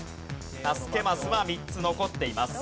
助けマスは３つ残っています。